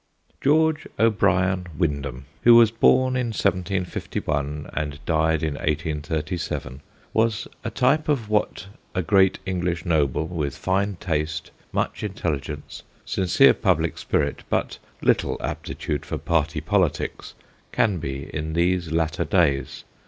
George O'Brien Wyndham, who was born in 1751 and died in 1837, was a type of what a great English noble, with fine taste, much intelligence, sincere public spirit, but little aptitude for party politics, can be in these latter days.